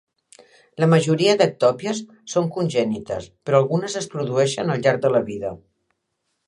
La majoria d'ectòpies són congènites, però algunes es produeixen al llarg de la vida.